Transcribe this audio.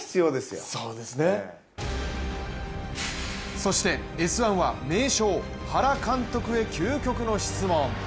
そして、「Ｓ☆１」は名将・原監督へ究極の質問。